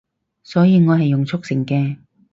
所以我係用速成嘅